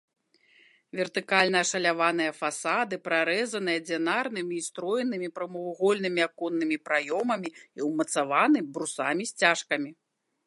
Вертыкальна ашаляваныя фасады прарэзаны адзінарнымі і строенымі прамавугольнымі аконнымі праёмамі і ўмацаваны брусамі-сцяжкамі.